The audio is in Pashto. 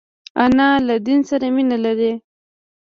انا له دین سره مینه لري